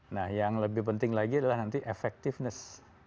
nah yang lebih penting lagi adalah nanti effectiveness